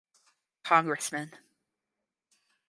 Congressman.